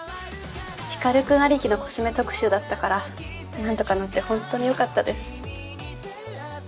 光君ありきのコスメ特集だったから何とかなってホントによかったです。